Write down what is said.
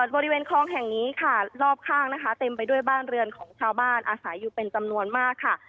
บริเวณคลองแห่งนี้ค่ะรอบข้างนะคะเต็มไปด้วยบ้านเรือนของชาวบ้านอาศัยอยู่เป็นจำนวนมากค่ะ